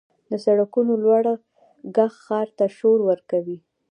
• د سړکونو لوړ ږغ ښار ته شور ورکوي.